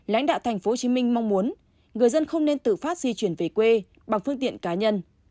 lãnh đạo tp hcm mong muốn người dân không nên tự phát di chuyển về quê bằng phương tiện cá nhân